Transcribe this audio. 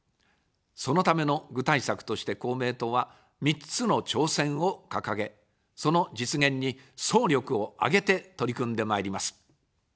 そのための具体策として公明党は、３つの挑戦を掲げ、その実現に総力を挙げて取り組んでまいります。